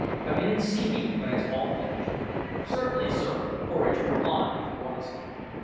"Come in and see me when it's all finished." "Certainly, sir," Horridge replied, rising.